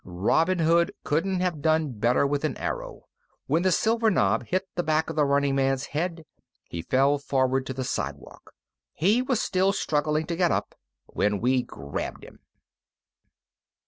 Robin Hood couldn't have done better with an arrow. When the silver knob hit the back of the running man's head, he fell forward to the sidewalk. He was still struggling to get up when we grabbed him.